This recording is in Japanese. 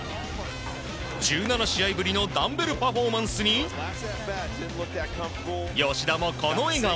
１７試合ぶりのダンベルパフォーマンスに吉田もこの笑顔。